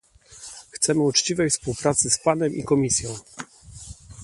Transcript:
Chcemy uczciwej współpracy z panem i Komisją